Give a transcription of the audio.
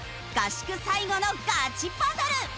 合宿最後のガチバトル！